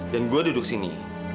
dan gue duduk sini